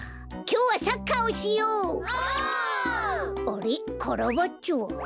あれっカラバッチョは？